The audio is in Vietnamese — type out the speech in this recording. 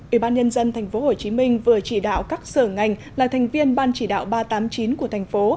ủy ban nhân dân tp hcm vừa chỉ đạo các sở ngành là thành viên ban chỉ đạo ba trăm tám mươi chín của thành phố